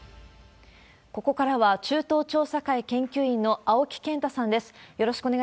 ここからは、中東調査会研究員の青木健太さんです。